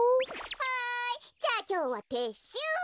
はいじゃあきょうはてっしゅう。